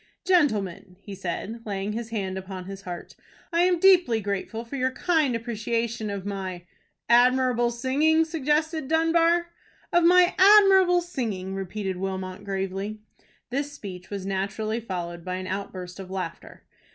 "Gentleman," he said, laying his hand upon his heart, "I am deeply grateful for your kind appreciation of my " "Admirable singing," suggested Dunbar. "Of my admirable singing," repeated Wilmot, gravely. This speech was naturally followed by an outburst of laughter.